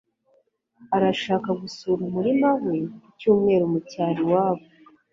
Arashaka gusura umurima we ku cyumweru mu cyaro iwabo.